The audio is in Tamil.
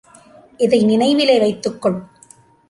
இதை நினைவிலே வைத்துக் கொள்.